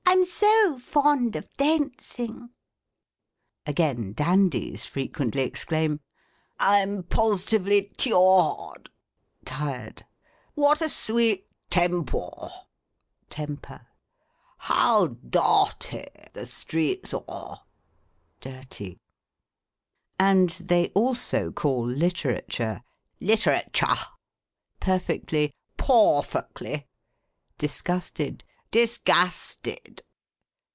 I'm so fond of dayncing !" Again, dandies fi'equently exclaim, —" I'm postively tiawed (tired)." " What a sweet tempaw ! (temper)." " How daughty (dirty) the streets au !" And they also call, — Literature, " literetchah." Perfectly, " pawfacly." Disgusted, " disgasted."